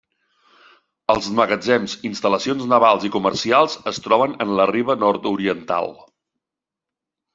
Els magatzems, instal·lacions navals i comercials es troben en la riba nord-oriental.